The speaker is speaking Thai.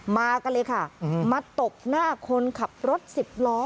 มากันเลยค่ะมาตบหน้าคนขับรถสิบล้อ